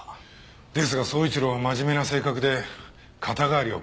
ですが宗一郎は真面目な性格で肩代わりを断ったのでしょう。